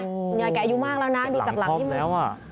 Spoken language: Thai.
คุณยายแกอายุมากแล้วนะดูจากหลังที่แมว